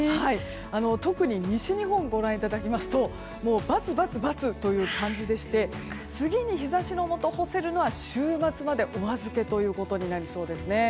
特に西日本をご覧いただきますとバツ、バツ、バツという感じでして次に日差しのもと干せるのは週末までお預けとなりそうです。